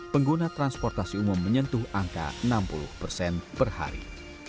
pengguna transportasi umum menyentuh angka enam puluh persen per hari